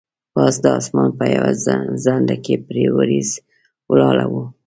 پاس د اسمان په یوه څنډه کې پرې وریځ ولاړه وه.